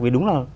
vì đúng là